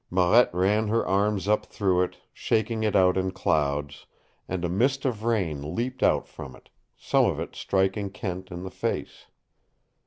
Marette ran her arms up through it, shaking it out in clouds, and a mist of rain leaped out from it, some of it striking Kent in the face.